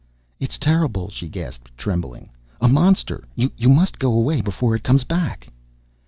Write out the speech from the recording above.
"It's terrible!" she gasped, trembling. "A monster! You must go away before it comes back!"